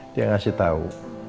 dia ngasih tau